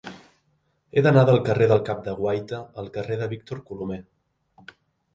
He d'anar del carrer del Cap de Guaita al carrer de Víctor Colomer.